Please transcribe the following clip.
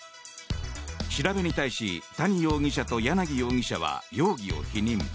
調べに対し谷容疑者と柳容疑者は容疑を否認。